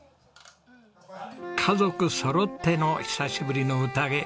家族そろっての久しぶりのうたげ。